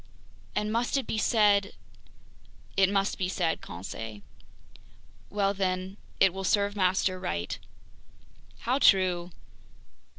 And must it be said ...?" "It must be said, Conseil." "Well then, it will serve master right!" "How true!"